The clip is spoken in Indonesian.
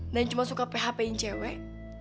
dan cuma suka php in cewek